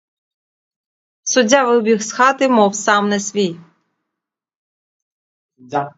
Суддя вибіг з хати, мов сам не свій.